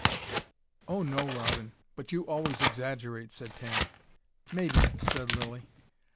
"Oh, no, Rawdon, but you always exaggerate," said Tanny. "Maybe," said Lilly.